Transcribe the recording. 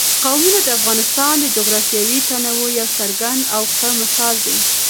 قومونه د افغانستان د جغرافیوي تنوع یو څرګند او ښه مثال دی.